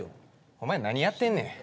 お前何やってんねん。